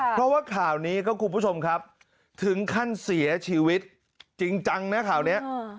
เพราะว่าข่าวนี้ครับคุณผู้ชมครับถึงขั้นเสียชีวิตจริงจังนะข่าวนี้